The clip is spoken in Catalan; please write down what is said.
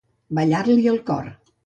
Ballar-li el cor.